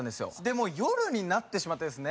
もう夜になってしまってですね